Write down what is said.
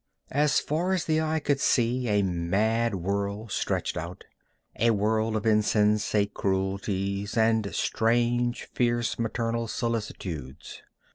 As far as the eye could see a mad world stretched out, a world of insensate cruelties and strange, fierce maternal solicitudes.